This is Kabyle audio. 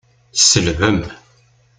Tselbem.